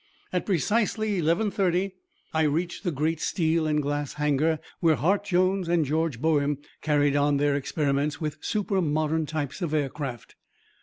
At precisely eleven thirty I reached the great steel and glass hangar where Hart Jones and George Boehm carried on their experiments with super modern types of aircraft.